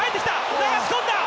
流し込んだ！